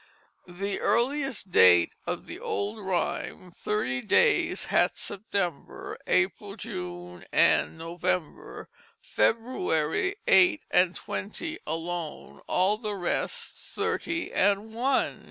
The earliest date of the old rhyme, "Thirtie daies hath September, Aprill, June and November, Februarie eight and twentie alone, all the rest thirtie and one."